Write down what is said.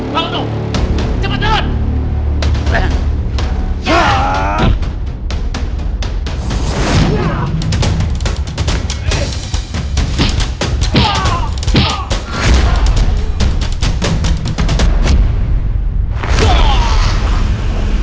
bangun dong cepet banget